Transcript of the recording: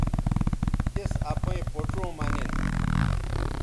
تِس اپئیں پوڇوں مہ نن